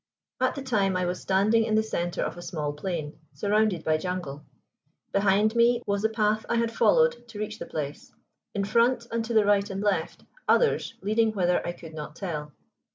At the time I was standing in the center of a small plain, surrounded by jungle. Behind me was the path I had followed to reach the place; in front, and to the right and left, others leading whither I could not tell.